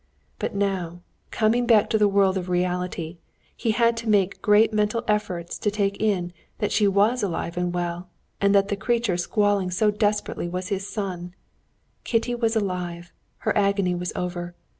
But now, coming back to the world of reality, he had to make great mental efforts to take in that she was alive and well, and that the creature squalling so desperately was his son. Kitty was alive, her agony was over.